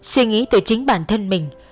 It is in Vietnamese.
suy nghĩ từ chính bản thân mình